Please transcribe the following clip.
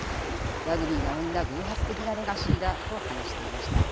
ラグビーが生んだ偶発的なレガシーだと話していました。